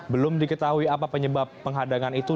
belum diketahui apa penyebab penghadangan itu